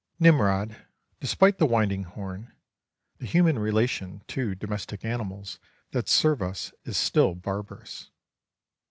Nimrod, despite the winding horn, the human relation to domestic animals that serve us is still barbarous.